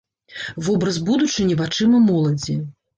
Вобраз будучыні вачыма моладзі.